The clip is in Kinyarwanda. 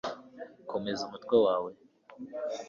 komeza umutwe wawe